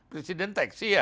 presiden teksi ya